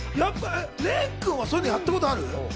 廉君はそういうのやったことある？